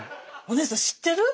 お姉さん知ってる？